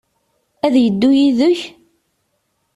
Ad yeddu yid-k?